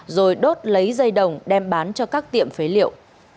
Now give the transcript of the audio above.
rồi đốt lấy dây đồng đem bán cho các tiệm phế liệu